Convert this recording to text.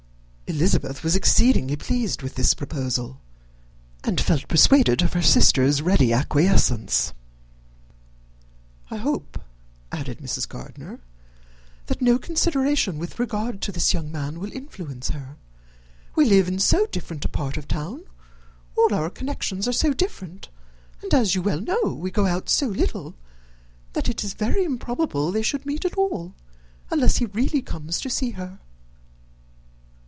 Elizabeth was exceedingly pleased with this proposal, and felt persuaded of her sister's ready acquiescence. "I hope," added Mrs. Gardiner, "that no consideration with regard to this young man will influence her. We live in so different a part of town, all our connections are so different, and, as you well know, we go out so little, that it is very improbable they should meet at all, unless he really comes to see her."